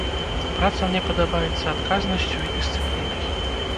Праца мне падабаецца адказнасцю і дысцыплінай.